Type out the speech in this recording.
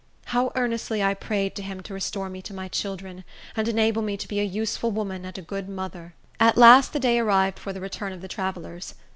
How earnestly I prayed to him to restore me to my children, and enable me to be a useful woman and a good mother! At last the day arrived for the return of the travellers.